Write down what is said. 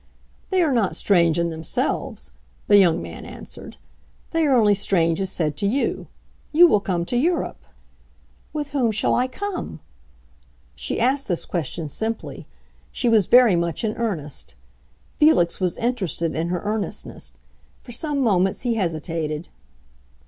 "They are not strange in themselves," the young man answered. "They are only strange as said to you. You will come to Europe." "With whom shall I come?" She asked this question simply; she was very much in earnest. Felix was interested in her earnestness; for some moments he hesitated.